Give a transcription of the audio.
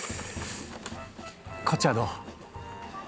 こっちはどう？